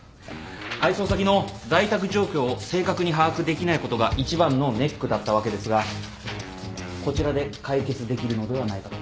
配送先の在宅状況を正確に把握できないことが一番のネックだったわけですがこちらで解決できるのではないかと。